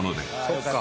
そっか。